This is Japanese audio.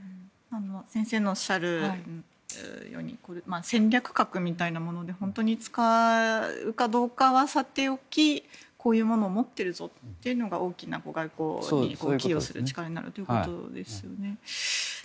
先生のおっしゃるように戦略核みたいなもので本当に使うかどうかはさておきこういうものを持っているぞというのが、大きな外交に寄与する力になるということですよね。